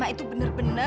dia seperti ini